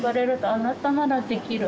あなたならできる。